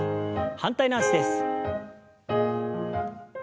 反対の脚です。